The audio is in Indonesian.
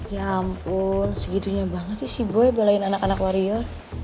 ya ampun segitunya banget sih si buaya belain anak anak warrior